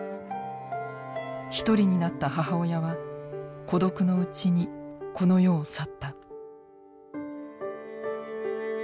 １人になった母親は孤独のうちにこの世を去った。